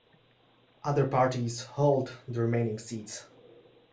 Other parties hold the remaining seats.